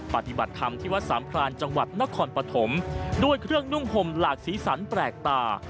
ปฏิบัติธรรมที่วัดสามพรานจังหวัดนครปฐมด้วยเครื่องนุ่งห่มหลากสีสันแปลกตา